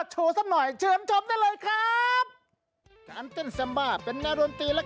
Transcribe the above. แหม่นะครับแต้งเหมือนสักครู่นะครับ